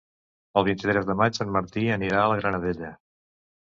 El vint-i-tres de maig en Martí anirà a la Granadella.